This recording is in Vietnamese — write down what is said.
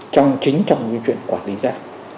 trong chính trong vi chuyển quản lý nhà